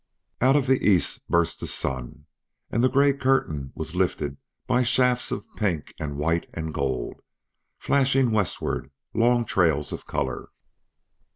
Out of the east burst the sun, and the gray curtain was lifted by shafts of pink and white and gold, flashing westward long trails of color.